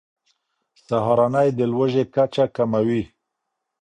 سهارنۍ د لوږې کچه کموي.